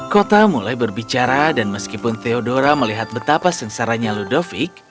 kota mulai berbicara dan meskipun theodora melihat betapa sengsaranya ludovic